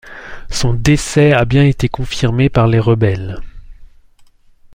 Son décès a bien été confirmé par les rebelles.